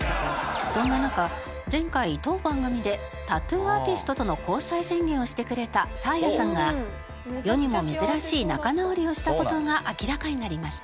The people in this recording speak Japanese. そんな中前回当番組でタトゥーアーティストとの交際宣言をしてくれたサーヤさんが世にも珍しい仲直りをした事が明らかになりました。